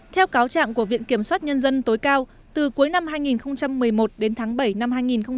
theo cáo trạng của viện kiểm soát nhân dân tối cao từ cuối năm hai nghìn một mươi một đến tháng bảy năm hai nghìn một mươi bảy